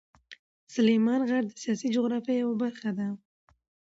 سلیمان غر د سیاسي جغرافیه یوه برخه ده.